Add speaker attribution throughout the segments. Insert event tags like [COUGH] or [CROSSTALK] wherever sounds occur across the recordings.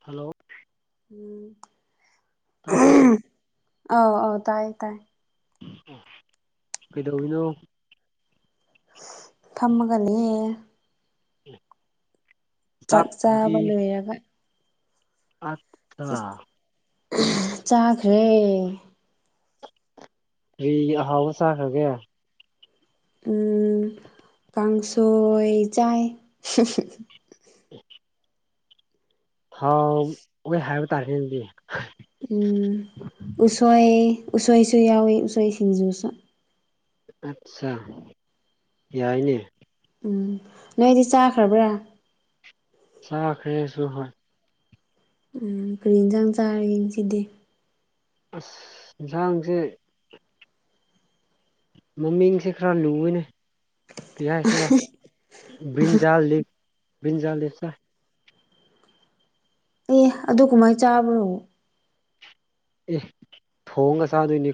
Speaker 1: Hello
Speaker 2: ꯎꯝ
Speaker 1: ꯇꯥꯕ꯭ꯔꯣ?
Speaker 2: ꯑꯧ ꯑꯧ ꯇꯥꯏ ꯇꯥꯏ꯫
Speaker 1: ꯀꯩꯗꯧꯔꯤꯅꯣ?
Speaker 2: ꯐꯝꯃꯒ ꯂꯩꯌꯦ ꯫
Speaker 1: [UNINTELLIGIBLE]
Speaker 2: ꯆꯥꯛ ꯆꯥꯕ ꯂꯣꯏꯔꯒ
Speaker 1: [UNINTELLIGIBLE]
Speaker 2: [UNINTELLIGIBLE] ꯆꯥꯈ꯭ꯔꯦ꯫
Speaker 1: ꯀꯔꯤ ꯑꯍꯥꯎꯕ ꯆꯥꯈ꯭ꯔꯒꯦ?
Speaker 2: ꯎꯝ ꯀꯥꯡꯁꯣꯏ ꯆꯥꯏ꯫
Speaker 1: [UNINTELLIGIBLE] ꯍꯥꯎꯋꯦ ꯍꯥꯏꯕ ꯇꯥꯔꯦ ꯑꯗꯨꯗꯤ‌
Speaker 2: ꯎꯝ ꯎꯁꯣꯏ ꯎꯁꯣꯏꯁꯨ ꯌꯥꯎꯋꯤ ꯎꯁꯣꯏ ꯁꯤꯡꯖꯨꯁꯨ꯫
Speaker 1: ꯑꯠꯆꯥ ꯌꯥꯏꯅꯦ꯫
Speaker 2: ꯎꯝ ꯅꯣꯏꯗꯤ ꯆꯥꯈ꯭ꯔꯕ꯭ꯔꯥ?
Speaker 1: ꯆꯥꯈ꯭ꯔꯦ ꯑꯩꯁꯨ ꯍꯣꯏ ꯫
Speaker 2: ꯎꯝ ꯀꯔꯤ ꯏꯟꯖꯥꯡ ꯆꯥꯔꯒꯦ ꯉꯁꯤꯗꯤ?
Speaker 1: ꯑꯁ ꯏꯟꯁꯥꯡꯁꯦ ꯃꯃꯤꯡꯁꯦ ꯈꯔ ꯂꯨꯋꯦꯅꯦ ꯀꯔꯤꯍꯥꯏꯁꯤꯔꯥ ꯕꯤꯟꯖꯥꯜ ꯂꯤꯞ ꯕꯤꯟꯖꯥꯜ ꯂꯤꯞ ꯆꯥꯏ꯫
Speaker 2: ꯑꯦ ꯑꯗꯨ ꯀꯃꯥꯏ ꯆꯥꯕ꯭ꯔꯣ?
Speaker 1: ꯑꯦ ꯊꯣꯡꯒ ꯆꯥꯗꯣꯏꯅꯤ꯫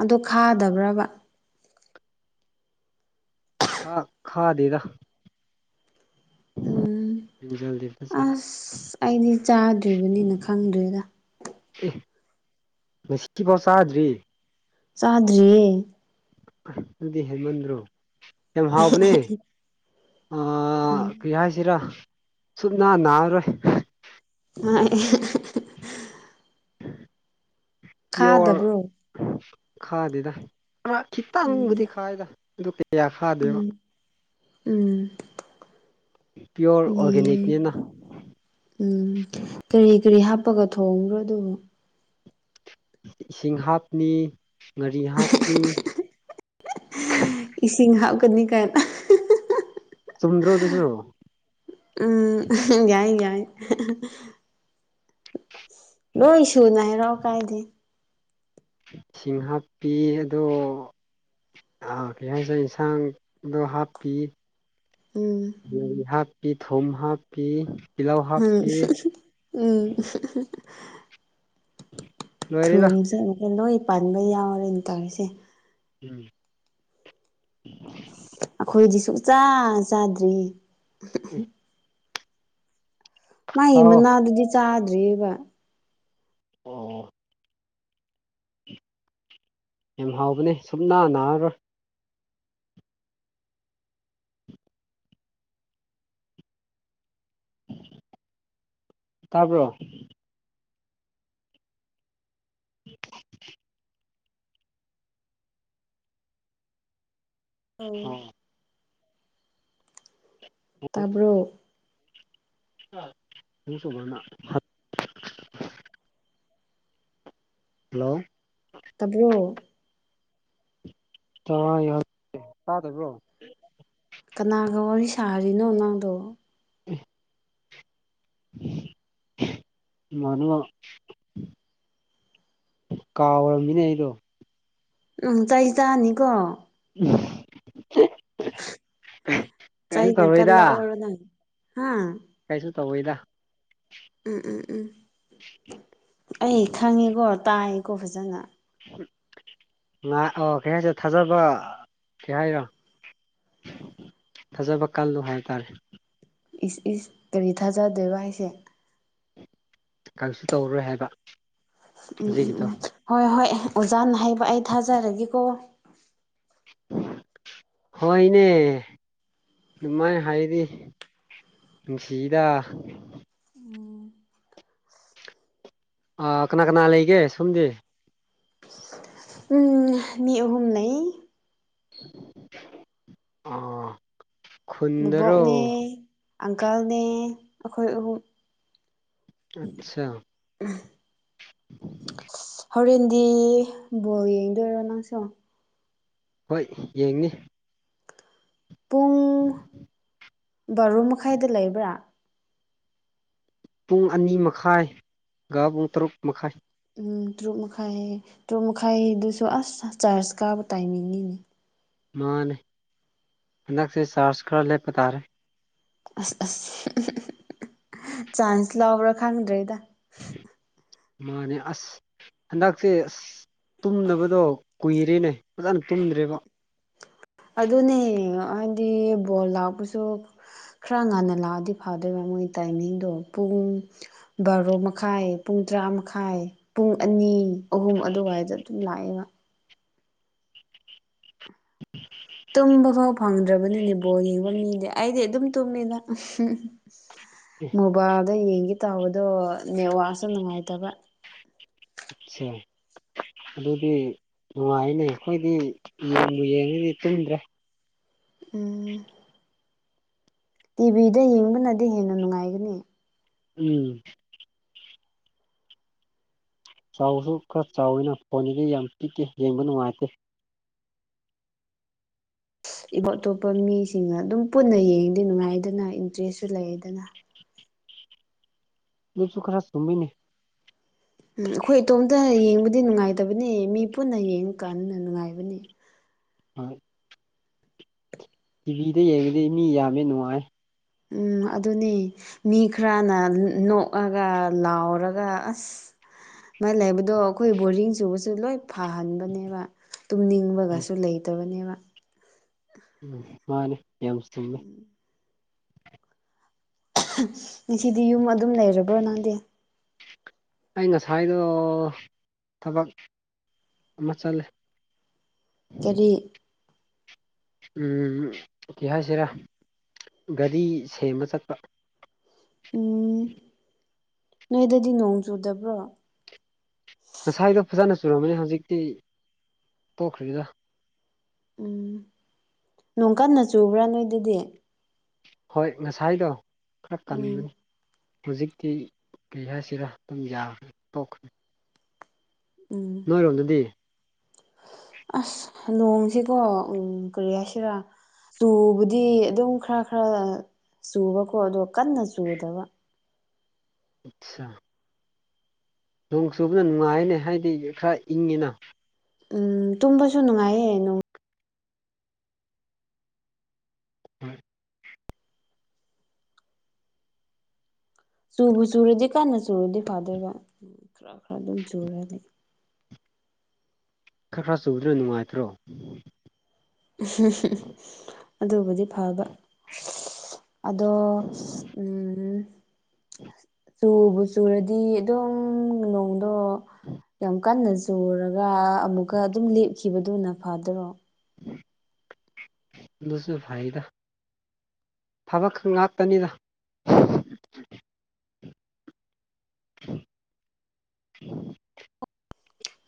Speaker 2: ꯑꯗꯨ ꯈꯥꯗꯕ꯭ꯔꯕ?
Speaker 1: ꯈꯥ ꯈꯥꯗꯦꯗ
Speaker 2: ꯎꯝ
Speaker 1: [UNINTELLIGIBLE]
Speaker 2: ꯑꯁ ꯑꯩꯗꯤ ꯆꯥꯗ꯭ꯔꯤꯕꯅꯤꯅ ꯈꯪꯗꯔ꯭ꯦꯗ꯫
Speaker 1: ꯑꯦ ꯉꯁꯤꯐꯥꯎ ꯆꯥꯗ꯭ꯔꯤ
Speaker 2: ꯆꯥꯗ꯭ꯔꯤꯌꯦ
Speaker 1: ꯑꯗꯨꯗꯤ ꯍꯦꯟꯃꯟꯗ꯭ꯔꯣ ꯌꯥꯝ ꯍꯥꯎꯕꯅꯦ ꯑ
Speaker 2: ꯎꯝ
Speaker 1: ꯀꯔꯤ ꯍꯥꯏꯁꯤꯔ ꯁꯨꯛꯅꯥ ꯅꯥꯔꯣꯏ
Speaker 2: [UNINTELLIGIBLE]
Speaker 1: ꯄꯤꯌꯣꯔ
Speaker 2: ꯈꯥꯗꯕ꯭ꯔꯣ
Speaker 1: ꯈꯥꯗꯦꯗ ꯑ ꯈꯤꯇꯪꯕꯨꯗꯤ
Speaker 2: ꯎꯝ
Speaker 1: ꯈꯥꯏꯗ ꯑꯗꯣ ꯀꯌꯥ ꯈꯥꯗꯦꯕ꯫
Speaker 2: ꯎꯝ ꯎꯝ
Speaker 1: ꯄꯤꯌꯣꯔ
Speaker 2: ꯌꯦ
Speaker 1: ꯑꯣꯔꯒꯥꯅꯤꯛꯅꯤꯅ
Speaker 2: ꯎꯝ ꯀꯔꯤ ꯀꯔꯤ ꯍꯥꯞꯄꯒ ꯊꯣꯡꯕ꯭ꯔꯣ ꯑꯗꯨꯕꯨ
Speaker 1: ꯏꯁꯤꯡ ꯍꯥꯞꯅꯤ ꯉꯥꯔꯤ ꯍꯥꯞꯅꯤ
Speaker 2: ꯍꯍ ꯏꯁꯤꯡ ꯍꯥꯞꯀꯅꯤ ꯀꯥꯏꯅ ꯑꯍ ꯍꯥ ꯍꯥ
Speaker 1: ꯆꯨꯝꯗ꯭ꯔꯣ ꯑꯗꯨꯁꯨ
Speaker 2: ꯎꯝ ꯑꯍꯦ ꯌꯥꯏ ꯌꯥꯏ ꯍ ꯍ ꯂꯣꯏ ꯁꯨꯅ ꯍꯥꯏꯔꯛꯑꯣ ꯀꯥꯏꯗꯩ
Speaker 1: ꯁꯤꯡ ꯍꯥꯞꯄꯤ ꯑꯗꯣ ꯑꯥ ꯀꯩ ꯍꯥꯏꯁꯦ ꯏꯟꯁꯥꯡꯗꯣ ꯍꯥꯞꯄꯤ
Speaker 2: ꯎꯝ
Speaker 1: [UNINTELLIGIBLE] ꯍꯥꯞꯄꯤ ꯊꯨꯝ ꯍꯥꯞꯄꯤ ꯇꯤꯜꯂꯧ
Speaker 2: ꯎꯝ
Speaker 1: ꯍꯥꯞꯄꯤ
Speaker 2: [UNINTELLIGIBLE]
Speaker 1: ꯂꯣꯏꯔꯦꯗ
Speaker 2: ꯊꯣꯡ ꯁꯦ ꯑꯃꯨꯛꯀ ꯂꯣꯏ ꯄꯟꯕ ꯌꯥꯎꯔꯦꯅꯦ ꯇꯧꯔꯤꯁꯦ
Speaker 1: ꯎꯝ
Speaker 2: ꯑꯈꯣꯏꯗꯤ ꯁꯨꯛꯆꯥ ꯆꯥꯗ꯭ꯔꯤ
Speaker 1: ꯑꯦ
Speaker 2: ꯃꯥꯒꯤ
Speaker 1: ꯇꯥꯎꯑꯣ
Speaker 2: ꯃꯅꯥꯗꯨꯗꯤ ꯆꯥꯗ꯭ꯔꯤꯑꯕ
Speaker 1: ꯑꯣ ꯌꯥꯝ ꯍꯥꯎꯕꯅꯦ ꯁꯨꯡꯅꯥ ꯅꯥꯔꯔꯣꯏ ꯇꯥꯕ꯭ꯔꯣ [UNINTELLIGIBLE]
Speaker 2: ꯑꯧ
Speaker 1: ꯍꯥꯎ
Speaker 2: ꯇꯥꯕ꯭ꯔꯣ
Speaker 1: [UNINTELLIGIBLE] [UNINTELLIGIBLE] ꯍꯜꯂꯣ
Speaker 2: ꯇꯥꯕ꯭ꯔꯣ
Speaker 1: ꯇꯥꯏꯌꯦ ꯍꯧꯖꯤꯛꯇꯤ ꯇꯥꯗꯕ꯭ꯔꯣ
Speaker 2: ꯀꯅꯥꯒ ꯋꯥꯔꯤ ꯁꯥꯔꯤꯅꯣ ꯅꯪꯗꯣ
Speaker 1: [UNINTELLIGIBLE] ꯏꯃꯥꯟꯅꯕ ꯀꯥꯎꯔꯝꯃꯤꯅꯦ ꯑꯩꯗꯣ
Speaker 2: ꯎꯝ ꯆꯩ ꯆꯥꯅꯤꯀꯣ
Speaker 1: [UNINTELLIGIBLE] ꯀꯩꯁꯨ
Speaker 2: ꯆꯩꯅ
Speaker 1: ꯇꯧꯔꯣꯏꯗ
Speaker 2: ꯀꯜꯂꯛꯑꯣꯔꯥ ꯅꯪ ꯍꯥ
Speaker 1: ꯀꯩꯁꯨ ꯇꯧꯋꯤꯗ
Speaker 2: ꯎꯝ ꯎꯝ ꯎꯝ ꯑꯩ ꯈꯪꯉꯦꯀꯣ ꯇꯥꯏꯌꯦꯀꯣ ꯐꯖꯅ
Speaker 1: ꯉꯥꯏ ꯑꯣ ꯀꯩ ꯍꯥꯏꯁꯦ ꯊꯥꯖꯕ ꯀꯩ ꯍꯥꯏꯔꯣ ꯊꯥꯖꯕ ꯀꯜꯂꯣ ꯍꯥꯏꯇꯥꯔꯦ
Speaker 2: ꯏꯁ ꯏꯁ ꯀꯔꯤ ꯊꯥꯖꯗꯣꯏꯕ ꯍꯥꯏꯁꯦ
Speaker 1: ꯀꯔꯤꯁꯨ ꯇꯧꯔꯔꯣꯏ ꯍꯥꯏꯕ
Speaker 2: ꯎꯝ ꯎꯝ
Speaker 1: ꯍꯧꯖꯤꯛꯀꯤꯗꯣ
Speaker 2: ꯎꯝ ꯍꯣꯏ ꯍꯣꯏ ꯑꯣꯖꯥꯅ ꯍꯥꯏꯕ ꯑꯩ ꯊꯥꯖꯔꯒꯦꯀꯣ
Speaker 1: ꯍꯣꯏꯅꯦ ꯑꯗꯨꯃꯥꯏꯅ ꯍꯥꯏꯗꯤ ꯅꯨꯡꯁꯤꯗ ꯑꯥ ꯀꯅꯥ ꯀꯅꯥ ꯂꯩꯒꯦ ꯁꯣꯝꯗꯤ
Speaker 2: ꯎꯝ ꯃꯤ ꯑꯍꯨꯝ ꯂꯩꯩ
Speaker 1: ꯑꯥ ꯈꯨꯨꯟꯗꯔꯣ
Speaker 2: ꯕꯨꯕꯣꯛꯅꯦ ꯑꯪꯀꯜꯅꯦ ꯑꯩꯈꯣꯏ ꯑꯍꯨꯝ
Speaker 1: ꯑꯠꯁꯥ
Speaker 2: [UNINTELLIGIBLE] ꯍꯧꯔꯦꯟꯗꯤ ꯕꯣꯜ ꯌꯦꯡꯗꯣꯏꯔꯣ ꯅꯪꯁꯨ
Speaker 1: ꯍꯣꯏ ꯌꯦꯡꯅꯤ
Speaker 2: ꯄꯨꯡ
Speaker 1: 'inaudible'
Speaker 2: ꯕꯥꯔꯣ ꯃꯈꯥꯏꯗ ꯂꯩꯕ꯭ꯔꯥ
Speaker 1: ꯄꯨꯡ ꯑꯅꯤ ꯃꯈꯥꯏꯒ ꯄꯨꯡ ꯇꯔꯨꯛ ꯃꯈꯥꯏ
Speaker 2: ꯎꯝ ꯇꯔꯨꯛ ꯃꯈꯥꯏ ꯇꯔꯨꯛ ꯃꯈꯥꯏꯗꯨꯁꯨ ꯑꯁ ꯆ꯭ꯔꯆ ꯀꯥꯕ ꯇꯥꯏꯃꯤꯡꯅꯤꯅꯦ
Speaker 1: ꯃꯥꯅꯦ ꯍꯟꯗꯛꯁꯦ ꯆ꯭ꯔꯆ ꯈꯔ ꯂꯦꯞꯄ ꯇꯥꯔꯦ
Speaker 2: ꯑꯁ ꯑꯁ ꯆꯥꯟꯁ ꯂꯥꯎꯕ꯭ꯔꯥ ꯈꯪꯗ꯭ꯔꯦꯗ
Speaker 1: ꯃꯥꯅꯦ ꯑꯁ ꯍꯟꯗꯛꯁꯦ ꯑꯁ ꯇꯨꯝꯗꯕꯗꯣ ꯀꯨꯏꯔꯦꯅꯦ ꯐꯖꯅ ꯇꯨꯝꯗ꯭ꯔꯦꯕ
Speaker 2: ꯑꯗꯨꯅꯦ ꯍꯥꯏꯗꯤ ꯕꯣꯜ ꯂꯥꯛꯄꯁꯨ ꯈꯔ ꯉꯟꯅ ꯂꯥꯛꯑꯗꯤ ꯐꯗꯣꯏꯕ ꯃꯣꯏꯒꯤ ꯇꯥꯏꯃꯤꯡꯗꯣ ꯄꯨꯡ ꯕꯥꯔꯣ ꯃꯈꯥꯏ ꯄꯨꯡ ꯇꯔꯥ ꯃꯈꯥꯏ ꯄꯨꯡ ꯑꯅꯤ ꯑꯍꯨꯝ ꯑꯗꯨꯋꯥꯏꯗ ꯑꯗꯨꯝ ꯂꯥꯛꯑꯦꯕ ꯇꯨꯝꯕ ꯐꯥꯎ ꯐꯪꯗ꯭ꯔꯕꯅꯤꯅꯦ ꯕꯣꯜ ꯌꯦꯡꯕ ꯃꯤꯗꯤ ꯑꯩꯗꯤ ꯑꯗꯨꯝ ꯇꯨꯝꯃꯤꯗ ꯃꯣꯕꯥꯏꯜꯗ ꯌꯦꯡꯒꯦ ꯇꯧꯕꯗꯣ ꯅꯦꯠꯋꯥꯛꯁꯨ ꯅꯨꯡꯉꯥꯏꯇꯕ
Speaker 1: ꯁꯦ ꯑꯗꯨꯗꯤ ꯅꯨꯡꯉꯥꯏꯌꯦꯅꯦ ꯑꯩꯈꯣꯏꯗꯤ ꯕꯣꯜꯕꯨ ꯌꯦꯡꯉꯗꯤ ꯇꯨꯝꯗ꯭ꯔꯦ
Speaker 2: ꯎꯝ
Speaker 1: 'inaudible'
Speaker 2: ꯇꯤꯚꯤꯗ ꯌꯦꯡꯕꯅꯗꯤ ꯍꯦꯟꯅ ꯅꯨꯡꯉꯥꯏꯒꯅꯤ
Speaker 1: ꯎꯝ ꯆꯥꯎꯁꯨ ꯈꯔ ꯆꯥꯎꯋꯤꯅ ꯐꯣꯟꯁꯤꯗꯤ ꯌꯥꯝ ꯄꯤꯛꯏ ꯌꯦꯡꯕ ꯅꯨꯡꯉꯥꯏꯇꯦ
Speaker 2: ꯏꯕꯣꯞ ꯑꯇꯣꯞꯄ ꯃꯤꯁꯤꯡꯅ ꯑꯗꯨꯝ ꯄꯨꯟꯅ ꯌꯦꯡꯗꯤ ꯅꯨꯡꯉꯥꯏꯗꯅ ꯏꯟꯇꯔꯦꯁꯁꯨ ꯂꯩꯗꯅ
Speaker 1: ꯑꯗꯨꯁꯨ ꯈꯔ ꯆꯨꯝꯃꯤꯅꯦ
Speaker 2: ꯎꯝ ꯑꯩꯈꯣꯏ ꯏꯇꯣꯝꯇ ꯌꯦꯡꯕꯗꯤ ꯅꯨꯡꯉꯥꯏꯇꯕꯅꯤ ꯃꯤ ꯄꯨꯟꯅ ꯌꯦꯡ ꯀꯥꯟꯅ ꯅꯨꯡꯉꯥꯏꯕꯅꯦ
Speaker 1: ꯍꯣꯏ ꯇꯤꯚꯤꯗ ꯌꯦꯡꯕꯗꯤ ꯃꯤ ꯌꯥꯝꯃꯦ ꯅꯨꯡꯉꯥꯏ
Speaker 2: ꯎꯝ ꯑꯗꯨꯅꯦ ꯃꯤ ꯈꯔꯅ ꯅꯣꯛꯑꯒ ꯂꯥꯎꯔꯒ ꯑꯁ ꯃꯥ ꯂꯩꯕꯗꯣ ꯑꯩꯈꯣꯏ ꯕꯣꯔꯤꯡ ꯆꯨꯕꯁꯨ ꯂꯣꯏ ꯐꯍꯟꯕꯅꯦꯕ ꯇꯨꯝꯅꯤꯡ
Speaker 1: ꯎꯝ
Speaker 2: ꯒꯁꯨ ꯂꯩꯇꯕꯅꯦꯕ
Speaker 1: ꯎꯝ ꯃꯥꯅꯦ ꯌꯥꯝ ꯆꯨꯝꯃꯦ
Speaker 2: ꯉꯁꯤꯗꯤ ꯌꯨꯝ ꯑꯗꯨꯝ ꯂꯩꯔꯕ꯭ꯔ ꯅꯪꯗꯤ
Speaker 1: ꯑꯩ ꯉꯁꯥꯏꯗꯣ ꯊꯕꯛ ꯑꯃ ꯆꯠꯂꯦ
Speaker 2: ꯀꯔꯤ
Speaker 1: 'inaudible' ꯎꯝ ꯀꯩ ꯍꯥꯏꯁꯤꯔꯥ ꯒꯥꯔꯤ ꯁꯦꯝꯕ ꯆꯠꯄ
Speaker 2: ꯅꯣꯏ ꯑꯗꯨꯗꯤ ꯅꯣꯡ ꯆꯨꯗꯕ꯭ꯔꯣ
Speaker 1: ꯉꯁꯥꯏꯗꯣ ꯐꯖꯅ ꯆꯨꯔꯝꯝꯕꯅꯤ ꯍꯧꯖꯤꯛꯇꯤ ꯇꯣꯛꯈ꯭ꯔꯤꯗ
Speaker 2: ꯎꯝ ꯅꯣꯡ ꯀꯟꯅ ꯆꯨꯕ꯭ꯔꯥ ꯅꯣꯏꯗꯗꯤ
Speaker 1: ꯍꯣꯏ ꯉꯁꯥꯏꯗꯣ ꯈꯔ
Speaker 2: ꯎꯝ
Speaker 1: ꯀꯟꯕꯅꯤ ꯍꯧꯖꯤꯛꯇꯤ ꯀꯩ ꯍꯥꯏꯁꯤꯔꯥ ꯑꯗꯨꯝ ꯌꯥꯈ꯭ꯔꯦ ꯇꯣꯛꯈ꯭ꯔꯦ
Speaker 2: ꯎꯝ
Speaker 1: ꯅꯣꯏꯔꯣꯝꯗꯗꯤ
Speaker 2: ꯑꯁ ꯅꯣꯡꯁꯤꯀꯣ ꯎꯝ ꯀꯔꯤ ꯍꯥꯏꯁꯤꯔꯥ ꯆꯨꯕꯗꯤ ꯑꯗꯨꯝ ꯈꯔ ꯈꯔ ꯆꯨꯕꯀꯣ ꯑꯗꯣ ꯀꯟꯅ ꯆꯨꯗꯕ
Speaker 1: ꯑꯠꯆꯥ ꯅꯣꯡ ꯆꯨꯕꯗ ꯅꯨꯡꯉꯥꯏꯅꯦ ꯍꯥꯏꯗꯤ ꯈꯔ ꯏꯪꯉꯤꯅ
Speaker 2: ꯎꯝ ꯇꯨꯝꯕꯁꯨ ꯅꯨꯡꯉꯥꯏꯌꯦ ꯅꯨꯡ
Speaker 1: ꯍꯣꯏ
Speaker 2: ꯆꯨꯕꯨ ꯆꯨꯔꯗꯤ ꯀꯟꯅ ꯆꯨꯔꯗꯤ ꯐꯥꯗꯣꯏꯕ ꯈꯔ ꯈꯔ ꯑꯗꯨꯝ ꯆꯨꯔ ꯂꯩ
Speaker 1: ꯈꯔ ꯈꯔ ꯆꯨꯕꯗꯨꯅ ꯅꯨꯡꯉꯥꯏꯇ꯭ꯔꯣ
Speaker 2: ꯑꯗꯨꯕꯨꯗꯤ ꯐꯕ ꯑꯗꯣ ꯎꯝ ꯆꯨꯕ ꯆꯨꯔꯗꯤ ꯑꯗꯨꯝ ꯅꯣꯡ ꯑꯗꯣ ꯌꯥꯝ ꯀꯟꯅ ꯆꯨꯔꯒ ꯑꯃꯨꯛꯀ ꯑꯗꯨꯝ ꯂꯦꯞꯈꯤꯕꯗꯨꯅ ꯐꯗ꯭ꯔꯣ
Speaker 1: ꯑꯗꯨꯁꯨ ꯐꯥꯏꯗ ꯐꯕ ꯉꯥꯛꯇꯅꯤꯗ [UNINTELLIGIBLE]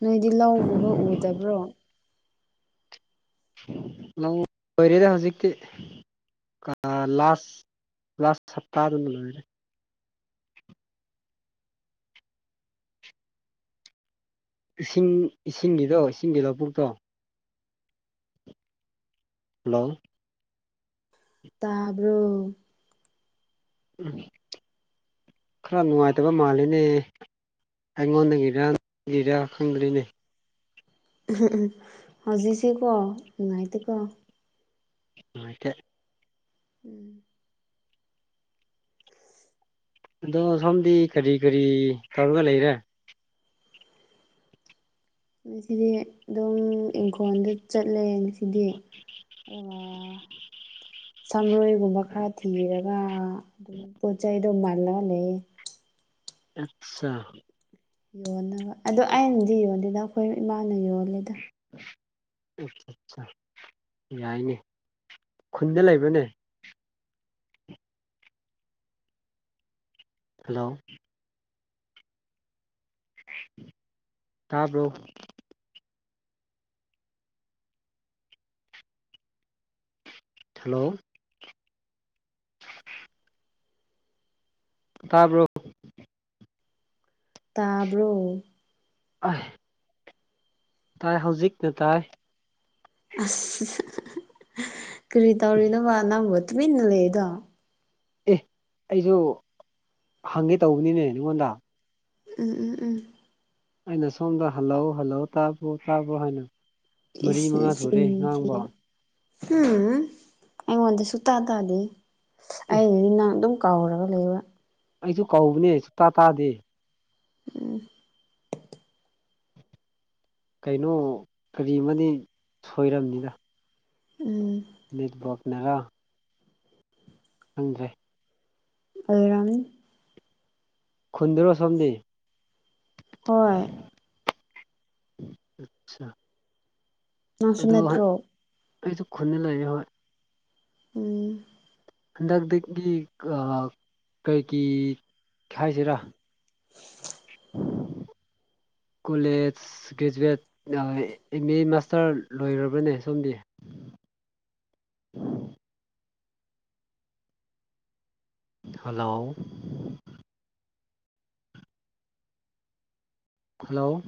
Speaker 2: ꯅꯣꯏꯗꯤ ꯂꯧꯒꯨꯝꯕ ꯎꯗꯕ꯭ꯔꯣ
Speaker 1: ꯂꯧ ꯂꯣꯏꯔꯦꯗ ꯍꯧꯖꯤꯛꯇꯤ ꯂꯥꯁ ꯂꯥꯁ ꯍꯞꯇꯥꯗ ꯂꯣꯏꯔꯦ ꯏꯁꯤꯡ ꯏꯁꯤꯡꯒꯤꯗꯣ ꯏꯁꯤꯡꯒꯤ ꯂꯧꯕꯨꯛꯇꯣ ꯍꯜꯂꯣ
Speaker 2: ꯇꯥꯕ꯭ꯔꯣ
Speaker 1: ꯎꯝ ꯈꯔ ꯅꯨꯡꯉꯥꯏꯇꯕ ꯃꯥꯜꯂꯤꯅꯦ ꯑꯩꯉꯣꯟꯗꯒꯤꯔ ꯅꯪꯒꯤꯔ ꯈꯪꯗ꯭ꯔꯤꯅꯦ
Speaker 2: ꯍꯧꯖꯤꯛꯁꯤꯀꯣ ꯅꯨꯡꯉꯥꯏꯇꯦꯀꯣ
Speaker 1: ꯅꯨꯡꯉꯥꯏꯇꯦ
Speaker 2: ꯎꯝ
Speaker 1: ꯑꯗꯣ ꯁꯣꯝꯗꯤ ꯀꯔꯤ ꯀꯔꯤ ꯇꯧꯔꯒ ꯂꯩꯔꯦ
Speaker 2: ꯉꯁꯤꯗꯤ ꯑꯗꯨꯝ ꯏꯪꯈꯣꯜꯗ ꯆꯠꯂꯦ ꯉꯁꯤꯗꯤ ꯑꯗꯨꯒ ꯁꯥꯃꯥꯔꯣꯏꯒꯨꯝꯕ ꯈꯔ ꯊꯤꯔꯒ ꯑꯗꯨꯝ ꯄꯣꯠ ꯆꯩꯗꯣ ꯃꯥꯜꯂꯒ ꯂꯩ
Speaker 1: ꯑꯠꯁꯥ
Speaker 2: ꯌꯣꯟꯅꯕ ꯑꯗꯣ ꯑꯩꯅꯗꯤ ꯌꯣꯜꯗꯦꯗ ꯑꯩꯈꯣꯏ ꯏꯃꯥꯅ ꯌꯣꯜꯂꯤꯗ
Speaker 1: ꯑꯠꯁꯥ ꯌꯥꯏꯅꯦ ꯈꯨꯟꯗ ꯂꯩꯕ꯭ꯔꯅꯦ ꯍꯜꯂꯣ ꯇꯥꯕ꯭ꯔꯣ ꯍꯜꯂꯣ [UNINTELLIGIBLE] ꯇꯥꯕ꯭ꯔꯣ
Speaker 2: ꯇꯥꯕ꯭ꯔꯣ
Speaker 1: ꯑꯥꯏ ꯇꯥꯏ ꯍꯧꯖꯤꯛꯇ ꯇꯥꯏ
Speaker 2: ꯑꯁ ꯀꯔꯤ ꯇꯧꯔꯤꯅꯣꯕ ꯅꯪꯕꯨ ꯇꯨꯃꯤꯟꯅ ꯂꯩꯗꯣ
Speaker 1: ꯑꯦ ꯑꯩꯁꯨ ꯍꯪꯒꯦ ꯇꯧꯕꯅꯤꯅꯦ ꯅꯪꯉꯣꯟꯗ
Speaker 2: ꯎꯝ ꯎꯝ ꯎꯝ
Speaker 1: ꯑꯩꯅ ꯁꯣꯝꯗ ꯍꯜꯂꯣ ꯍꯜꯂꯣ ꯇꯥꯕ꯭ꯔꯣ ꯇꯥꯕ꯭ꯔꯣ ꯍꯥꯏꯅ ꯃꯔꯤ ꯃꯉꯥ ꯁꯨꯔꯦ ꯉꯥꯡꯕ
Speaker 2: ꯎꯝ ꯑꯩꯉꯣꯟꯗ ꯁꯛꯇꯥ ꯇꯥꯗꯦ
Speaker 1: ꯑꯦ
Speaker 2: ꯑꯩꯅꯗꯤ ꯅꯪ ꯑꯗꯨꯝ ꯀꯥꯎꯔꯒ ꯂꯩꯕ
Speaker 1: ꯑꯩꯁꯨ ꯀꯧꯕꯅꯦ ꯁꯨꯇꯥ ꯇꯥꯗꯦ
Speaker 2: ꯎꯝ
Speaker 1: ꯀꯩꯅꯣ ꯀꯔꯤ ꯑꯃꯗꯤ ꯁꯣꯏꯔꯝꯅꯤꯗ
Speaker 2: ꯎꯝ
Speaker 1: ꯅꯦꯠꯋꯥꯛꯅꯔ ꯈꯪꯗ꯭ꯔꯦ
Speaker 2: ꯑꯣꯏꯔꯝꯅꯤ
Speaker 1: ꯈꯨꯨꯟꯗ꯭ꯔꯣ ꯁꯣꯝꯗꯤ
Speaker 2: ꯍꯣꯏ ꯅꯪꯁꯨ
Speaker 1: ꯑꯗꯨ
Speaker 2: ꯅꯠꯇ꯭ꯔꯣ
Speaker 1: ꯑꯩꯁꯨ ꯈꯨꯟꯗ ꯂꯩꯌꯦ ꯍꯣꯏ
Speaker 2: ꯎꯝ
Speaker 1: ꯍꯟꯗꯛꯇꯒꯤ ꯀꯔꯤꯒꯤ ꯍꯥꯏꯁꯤꯔꯥ ꯀꯣꯂꯦꯖ ꯑꯁ ꯒ꯭ꯔꯦꯖꯨꯋꯦꯠ ꯑꯦꯝ ꯑꯦ ꯃꯥꯁꯇꯔ ꯂꯣꯏꯔꯕꯅꯦ ꯁꯣꯝꯗꯤ ꯍꯜꯂꯣ ꯍꯜꯂꯣ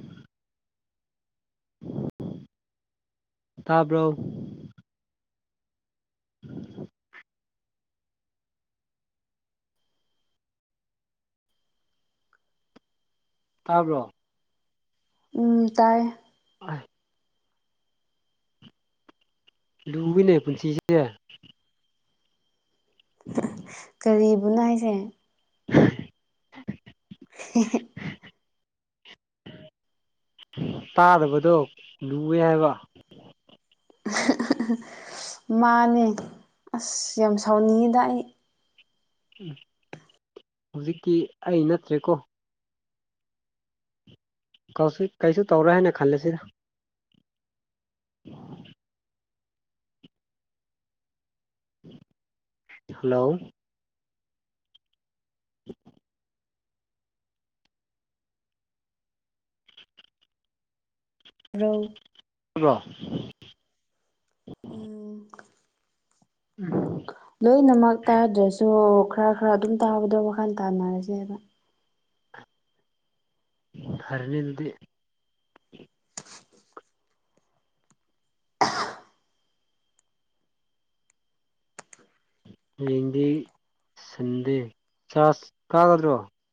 Speaker 1: ꯇꯥꯕ꯭ꯔꯣ ꯇꯥꯕ꯭ꯔꯣ
Speaker 2: ꯎꯝ ꯇꯥꯏ
Speaker 1: ꯍꯥ ꯂꯨꯏꯅꯦ ꯄꯨꯟꯁꯤꯁꯦ
Speaker 2: ꯀꯥꯔꯤꯕꯨꯅꯣ ꯍꯥꯏꯁꯦ
Speaker 1: [UNINTELLIGIBLE]
Speaker 2: ꯍ
Speaker 1: ꯇꯥꯗꯕꯗꯣ ꯂꯨꯢꯌꯦ ꯍꯥꯏꯕ
Speaker 2: ꯃꯥꯅꯦ ꯑꯁ ꯌꯥꯝ ꯁꯥꯎꯅꯤꯡꯉꯤꯗ ꯑꯩ
Speaker 1: ꯎꯝ ꯍꯧꯖꯤꯛꯇꯤ ꯑꯩ ꯅꯠꯇ꯭ꯔꯦꯀꯣ ꯀꯧꯁꯤ ꯀꯩꯁꯨ ꯇꯧꯔꯣꯏ ꯍꯥꯏꯅ ꯈꯜꯂꯁꯤꯗ ꯍꯜꯂꯣ
Speaker 2: ꯔꯣ
Speaker 1: ꯇꯥꯕꯔꯣ
Speaker 2: ꯎꯝ ꯑꯣ
Speaker 1: ꯎꯝ
Speaker 2: ꯂꯣꯏꯅꯃꯛ ꯇꯥꯗ꯭ꯔꯁꯨ ꯈꯔ ꯈꯔ ꯑꯗꯨꯝ ꯇꯥꯕꯗꯣ ꯋꯥꯈꯜ ꯇꯥꯅꯔꯁꯦꯅ
Speaker 1: ꯐꯩꯅꯦ ꯑꯗꯨꯗꯤ ꯍꯌꯦꯡꯗꯤ ꯁꯟꯗꯦ ꯆꯥꯔꯖ ꯀꯥꯒꯗ꯭ꯔꯣ